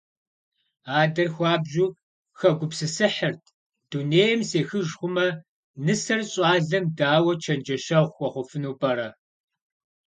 Адэр хуабжьу хэгупсысыхьырт: «Дунейм сехыж хъумэ, нысэр щӀалэм дауэ чэнджэщэгъу хуэхъуфыну пӀэрэ?».